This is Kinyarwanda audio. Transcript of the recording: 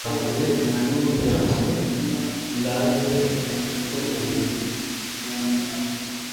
rwanjye nta n imyambaro ndanze ko mungira